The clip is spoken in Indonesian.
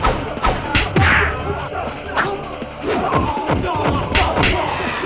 ki ubrah pemerintah